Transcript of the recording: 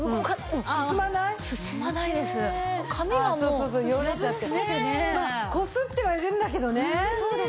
こすってはいるんだけどねだいぶ。